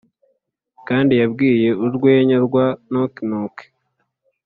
kandi yabwiye urwenya rwa "knock knock".